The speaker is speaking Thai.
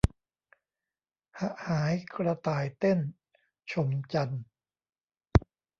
หะหายกระต่ายเต้น ชมจันทร์